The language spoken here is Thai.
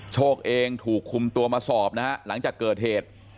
โชคเองถูกคุมตัวมาสอบนะฮะหลังจากเกิดเหตุ